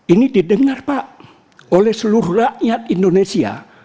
ini didengar pak oleh seluruh rakyat indonesia